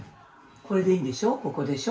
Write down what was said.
「これでいいんでしょここでしょ」